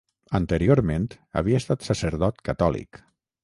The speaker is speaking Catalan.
Anteriorment, havia estat sacerdot catòlic.